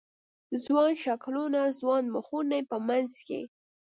ځوان شکلونه، ځوان مخونه یې په منځ کې